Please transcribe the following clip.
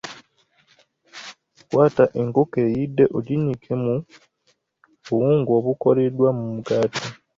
Kwata enkoko eyidde oginnyike mu buwunga obukoleddwa mu mugaati.